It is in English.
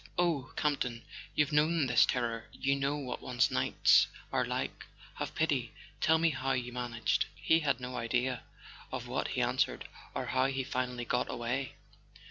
Oh, Camp ton, you've known this terror—you know what one's nights are like ! Have pity—tell me how you managed!" He had no idea of what he answered, or how he finally got away.